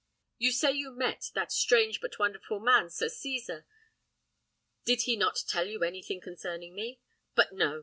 You say you met that strange but wonderful man Sir Cesar. Did he not tell you anything concerning me? But no!